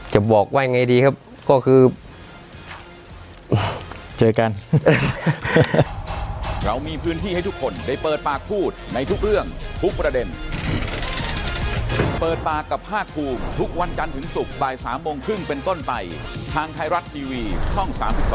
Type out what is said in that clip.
จะบอกว่ายังไงดีครับก็คือเจอกัน